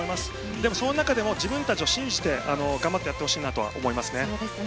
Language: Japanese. でも、その中でも自分たちを信じてやってほしいと思います。